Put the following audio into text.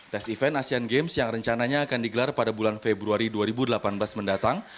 tes event asian games yang rencananya akan digelar pada bulan februari dua ribu delapan belas mendatang